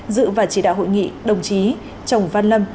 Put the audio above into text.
dự và chỉ đạo hội nghị đồng chí trồng văn lâm